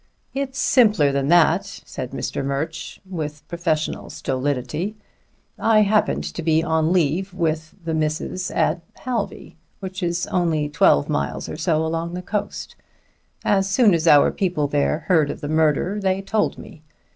"It's simpler than that," said Mr. Murch with professional stolidity. "I happened to be on leave with the Missus at Halvey, which is only twelve mile or so along the coast. As soon as our people there heard of the murder they told me.